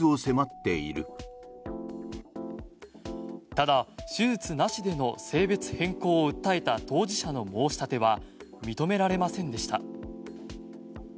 ただ、手術なしでの性別変更を訴えた当事者の申し立ては認められませんでした。